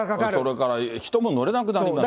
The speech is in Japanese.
それから人も乗れなくなりますしね。